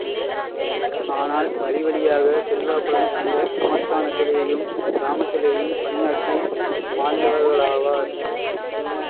ஆனால் வழிவழியாக செல்வாக்குடன் அந்த சமஸ்தானத்திலேயும் கிராமத்திலேயும் பணியாற்றி வாழ்ந்தவர்களாவர்.